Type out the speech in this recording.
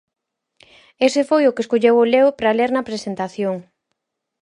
Ese foi o que escolleu O Leo para ler na presentación.